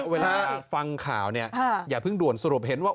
เวลาฟังข่าวอย่าเพิ่งด่วนสรุปสมมุติิเห็นว่า